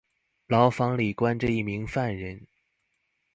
牢房裡關著一名犯人